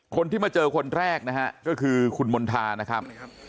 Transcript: คนที่มาเจอคนแรกนะฮะก็คือคุณมณฑานะครับ